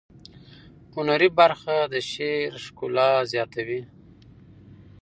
هنري برخه د شعر ښکلا زیاتوي.